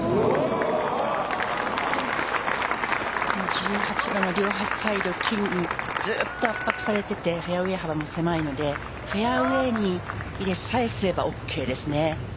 １８番は両端サイド木にずっと圧迫されていてフェアウエー幅も狭いのでフェアウエーに入りさえすればオーケーです。